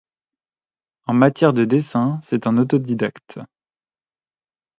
En matière de dessin, c'est un autodidacte.